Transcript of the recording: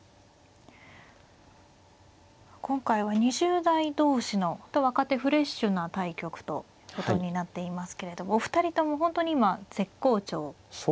今回は２０代同士の若手フレッシュな対局ということになっていますけれどもお二人とも本当に今絶好調でして。